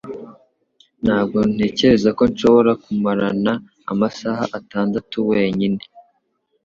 Ntabwo ntekereza ko nshobora kumarana amasaha atandatu wenyine